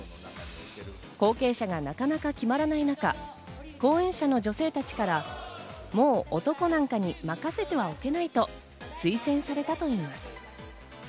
後継者がなかなか決まらない中、後援者の女性たちから、もう男なんかに任せてはおけないと推薦されたといいます。